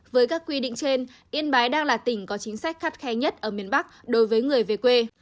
với các quy định trên yên bái đang là tỉnh có chính sách khắt khe nhất ở miền bắc đối với người về quê